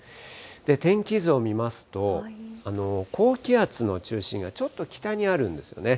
天気図を見ますと、高気圧の中心がちょっと北にあるんですよね。